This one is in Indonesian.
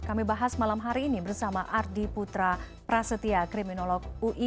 kami bahas malam hari ini bersama ardi putra prasetya kriminolog ui